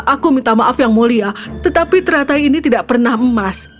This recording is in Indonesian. aku minta maaf yang mulia tetapi teratai ini tidak pernah emas